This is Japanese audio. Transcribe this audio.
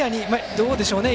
どうでしょうね。